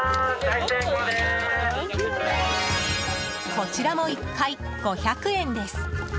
こちらも１回５００円です。